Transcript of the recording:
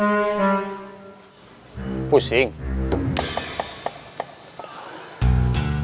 kalo bang edi sampai tau kita terusir di terminal